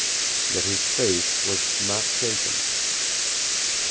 Yet his faith was not shaken.